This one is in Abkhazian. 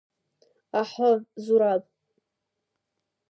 Аҳы, Зураб…